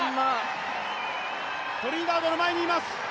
トリニダードの前にいます！